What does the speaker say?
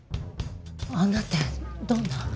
あんなってどんな？